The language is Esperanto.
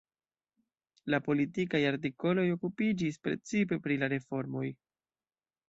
La politikaj artikoloj okupiĝis precipe pri la reformoj.